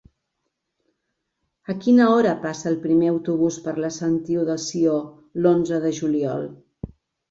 A quina hora passa el primer autobús per la Sentiu de Sió l'onze de juliol?